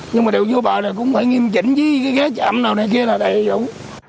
nhưng mà đều vô bờ là cũng phải nghiêm chỉnh với cái ghế chạm nào này kia là đầy đủ